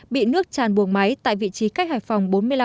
bị nước tràn buồng máy tại vị trí cách hải phòng bốn mươi năm hải lý